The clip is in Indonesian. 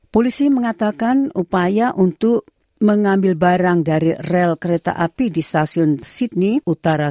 polisi mengatakan upaya untuk mengambil barang dari rel kereta api di stasiun sydney utara